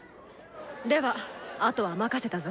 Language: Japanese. ではあとは任せたぞ。